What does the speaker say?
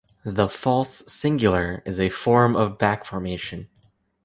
The false singular is a form of back-formation.